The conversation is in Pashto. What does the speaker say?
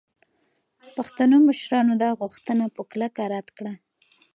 پښتنو مشرانو دا غوښتنه په کلکه رد کړه.